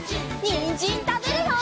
にんじんたべるよ！